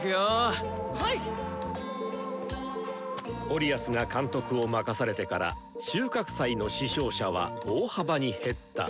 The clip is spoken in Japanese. オリアスが監督を任されてから収穫祭の死傷者は大幅に減った。